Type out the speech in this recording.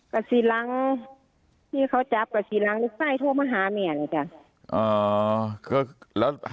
ประสิทธิ์รังที่เขาจับประสิทธิ์รังลูกไส้โทรมาหาเนี่ยเนี่ยจ้ะ